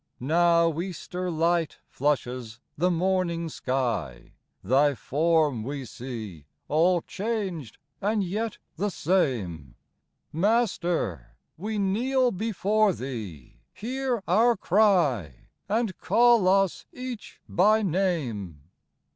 Now Easter light flushes the morning sky ; Thy form we see, all changed and yet the same. Master ! we kneel before Thee \ hear our cry, And call us each by name.